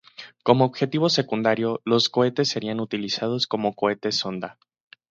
Como objetivo secundario, los cohetes serían utilizados como cohetes sonda.